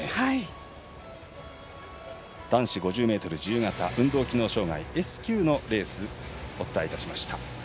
男子５０ｍ自由形運動機能障がいＳ９のレースをお伝えいたしました。